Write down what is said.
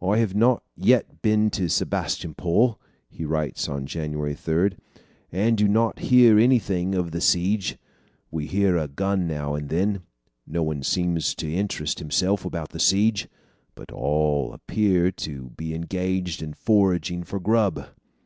"I have not yet seen Sebastopol," he writes on January 3, "and do not hear anything of the siege. We hear a gun now and then. No one seems to interest himself about the siege, but all appear to be engaged in foraging for grub."